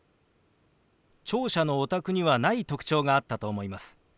聴者のお宅にはない特徴があったと思います。